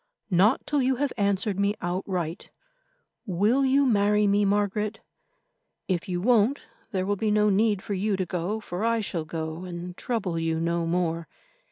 "Not till you have answered me outright. Will you marry me, Margaret? If you won't, there will be no need for you to go, for I shall go and trouble you no more.